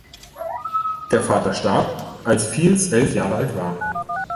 Der Vater starb, als Fields elf Jahre alt war.